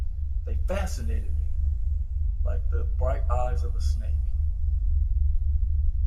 They fascinated me like the bright eyes of a snake.